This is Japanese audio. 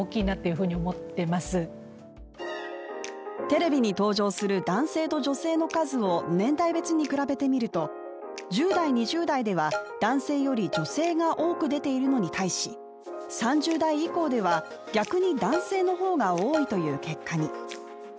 テレビに登場する男性と女性の数を年代別に比べてみると１０代、２０代では、男性より女性が多く出ているのに対し３０代以降では、逆に男性の方が多いという結果に。